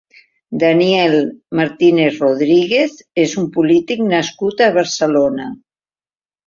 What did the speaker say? Daniel Martínez Rodríguez és un polític nascut a Barcelona.